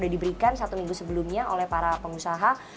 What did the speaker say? sudah diberikan satu minggu sebelumnya oleh para pengusaha